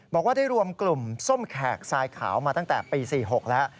บอกว่าได้รวมกลุ่มส้มแขกทรายขาวมาตั้งแต่ปี๔๖แล้ว